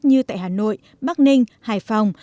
như tại hà nội bắc ninh hải phòng